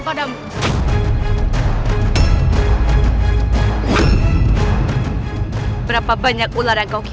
kau mendapatkan klan danaga